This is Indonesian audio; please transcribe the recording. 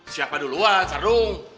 siapa duluan sardung